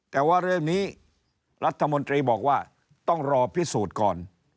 แต่ว่าเรื่องนี้รัฐมนตรีบอกว่าต้องรอพิสูจน์ก่อน